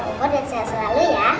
semoga panjang upur dan sehat selalu ya